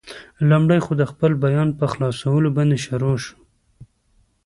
لومړی خو، د خپل بیان په خلاصولو باندې شروع شو.